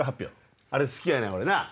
あれ好きやねん俺なぁ？